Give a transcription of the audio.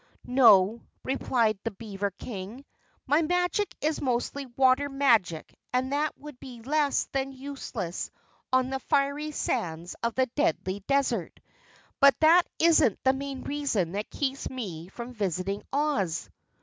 "No," replied the beaver King, "my magic is mostly water magic and that would be less than useless on the fiery sands of the Deadly Desert. But that isn't the main reason that keeps me from visiting Oz."